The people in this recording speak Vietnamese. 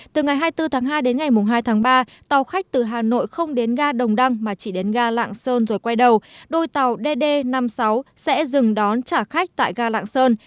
từ ngày hai mươi bốn tháng hai đến ngày hai tháng ba tàu khách từ hà nội không đến ga đồng đăng mà chỉ đến ga lạng sơn rồi quay đầu đôi tàu dd năm mươi sáu sẽ dừng đón trả khách tại ga lạng sơn